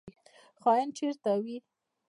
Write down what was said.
خاین چیرته وي؟